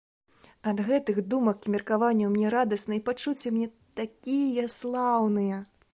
Ад гэтых думак і меркаванняў мне радасна і пачуцці ў мяне такія слаўныя.